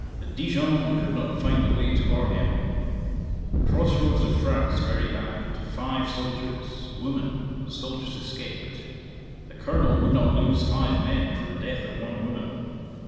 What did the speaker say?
At Dijon he could not find the way to Orleans. Cross roads of France very bad. Five soldiers. Woman. Soldiers escaped. The Colonel would not lose five men for the death of one woman.